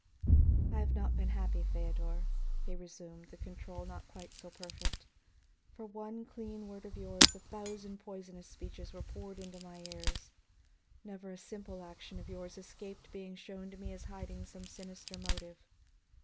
"I have not been happy, Feodor," he resumed, the control not quite so perfect. "For one clean word of yours, a thousand poisonous speeches were poured into my ears; never a simple action of yours escaped being shown to me as hiding some sinister motive.